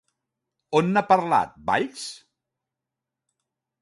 On n'ha parlat, Valls?